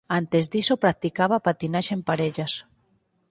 Antes diso practicaba a patinaxe en parellas.